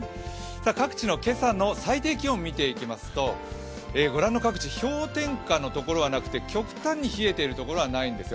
各地の今朝の最低気温を見ていきますとご覧の各地、氷点下のところはなくて、極端に冷えているところはないんですよ。